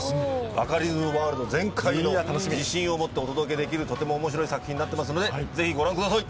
バカリズムワールド全開の、自信を持ってお届けできるとてもおもしろい作品になってますのでぜひご覧ください。